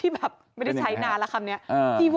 ไม่ใช้นานละคำนี้